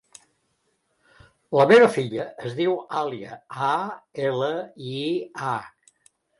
La meva filla es diu Alia: a, ela, i, a.